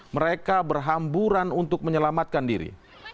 mereka berhamburan untuk menyelamatkan diri